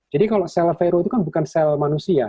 jadi kalau sel vero itu kan bukan sel manusia